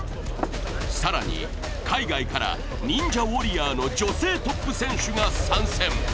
更に、海外からニンジャ・ウォリアーの女性トップ選手が参戦。